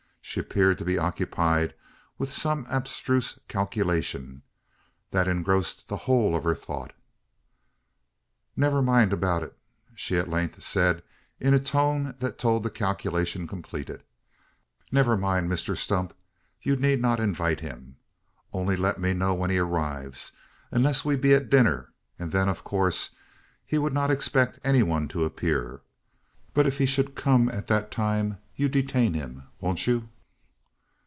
She appeared to be occupied with some abstruse calculation, that engrossed the whole of her thoughts. "Never mind about it," she at length said, in a tone that told the calculation completed. "Never mind, Mr Stump. You need not invite him. Only let me know when he arrives unless we be at dinner, and then, of course, he would not expect any one to appear. But if he should come at that time, you detain him won't you?"